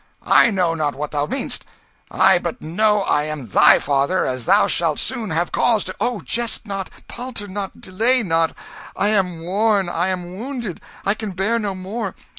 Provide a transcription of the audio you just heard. I know not what thou mean'st; I but know I am thy father, as thou shalt soon have cause to " "Oh, jest not, palter not, delay not! I am worn, I am wounded, I can bear no more.